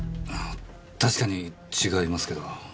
確かに違いますけど。